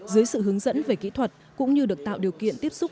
dưới sự hướng dẫn về kỹ thuật cũng như được tạo điều kiện tiếp xúc